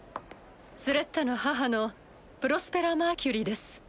スレッタの母のプロスペラ・マーキュリーです。